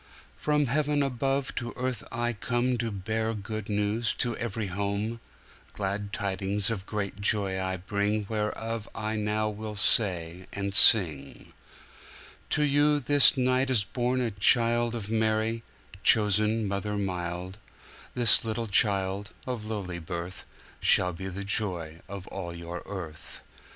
From Heaven above to earth I comeTo bear good news to every home; Glad tidings of great joy I bringWhereof I now will say and sing:To you this night is born a childOf Mary, chosen mother mild; This little child, of lowly birth, Shall be the joy of all your earth.'